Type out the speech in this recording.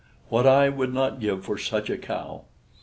What would I not give for such a cow!"